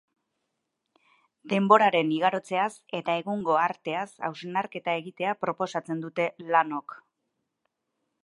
Denboraren igarotzeaz eta egungo arteaz hausnarketa egitea proposatzen dute lanok.